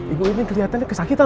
ibu ini kelihatannya sakit